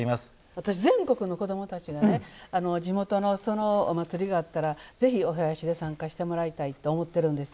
私、全国の子どもたちが地元のお祭りがあったらぜひ、お囃子で参加してもらいたいと思っているんです。